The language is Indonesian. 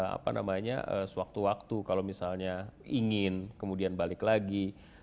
apa namanya sewaktu waktu kalau misalnya ingin kemudian balik lagi